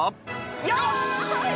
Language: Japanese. よし！